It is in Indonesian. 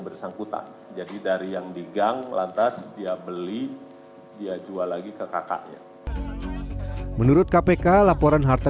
bersangkutan jadi dari yang digang lantas dia beli dia jual lagi ke kakaknya menurut kpk laporan harta